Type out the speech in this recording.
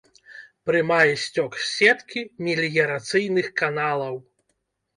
Прымае сцёк з сеткі меліярацыйных каналаў.